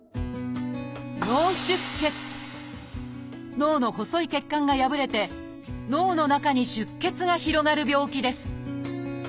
脳の細い血管が破れて脳の中に出血が広がる病気です